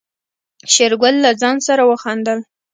شېرګل له ځان سره خندل.